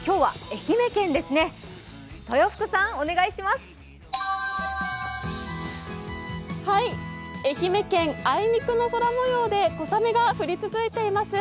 愛媛県、あいにくの空もようで小雨が降り続いています。